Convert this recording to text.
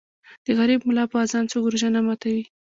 ـ د غریب ملا په اذان څوک روژه نه ماتوي.